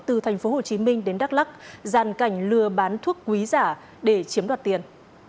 từ thành phố hồ chí minh đến đắk lắc gian cảnh lừa bán thuốc quý giả để chiếm đoạt tiền